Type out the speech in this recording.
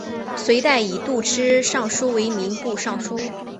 隋代以度支尚书为民部尚书。